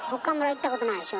行ったことないでしょ？